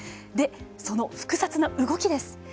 で、その複雑な動きです。